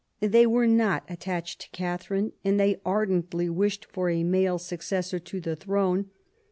They were not attached to Catherine, and they ardently wished for a male successor to the throne.